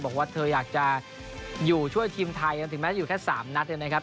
บอกว่าเธออยากจะอยู่ช่วยทีมไทยกันถึงแม้อยู่แค่๓นัดเลยนะครับ